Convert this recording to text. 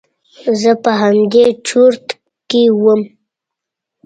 زه په همدې چورت کښې وم.